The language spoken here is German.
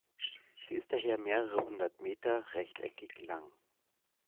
Sie ist daher mehrere hundert Meter rechteckig lang.